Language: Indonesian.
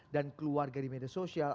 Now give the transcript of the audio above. dan keluarga di media sosial